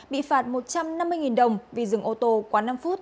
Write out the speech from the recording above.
bị phạt một trăm năm mươi đồng vì dừng ô tô quá năm phút